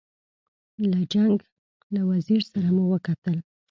له جنګ له وزیر سره مو وکتل.